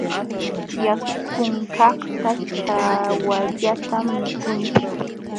Yakunkaqta ćhawallatam mikunchik.